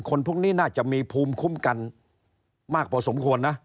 คนพวกนี้น่าจะมีภูมิคุ้มกันมากพอสมควรนะ